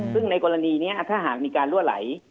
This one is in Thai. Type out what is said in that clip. ซึ่งในกรณีนี้ถ้าหากมีการรั่วไหล